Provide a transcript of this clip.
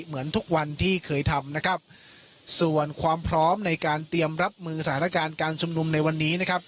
เหมือนทุกวันที่เคยทำนะครับส่วนความพร้อมในการเตรียมรับมือสถานการณ์การชุมนุมในวันนี้นะครับ